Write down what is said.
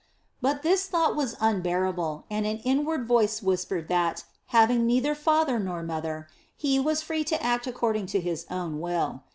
But this thought was unbearable and an inward voice whispered that, having neither father nor mother, he was free to act according to his own will.